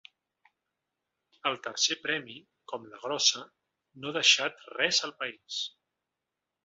El tercer premi, com la grossa, no deixat res al país.